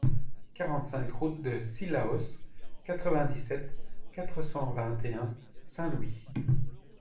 quarante-cinq route de Cilaos, quatre-vingt-dix-sept, quatre cent vingt et un, Saint-Louis